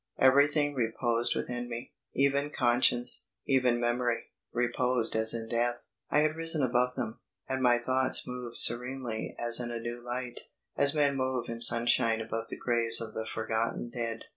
Everything reposed within me even conscience, even memory, reposed as in death. I had risen above them, and my thoughts moved serenely as in a new light, as men move in sunshine above the graves of the forgotten dead.